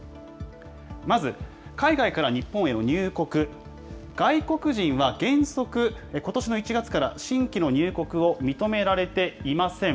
まず海外から日本への入国、外国人は原則、ことしの１月から新規の入国を認められていません。